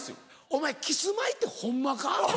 お前キスマイってホンマか？